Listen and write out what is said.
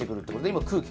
今空気